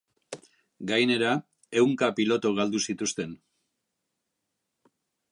Gainera, ehunka pilotu galdu zituzten.